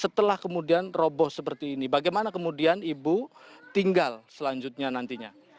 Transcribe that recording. setelah kemudian roboh seperti ini bagaimana kemudian ibu tinggal selanjutnya nantinya